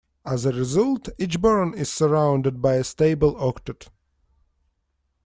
As a result, each boron is surrounded by a stable octet.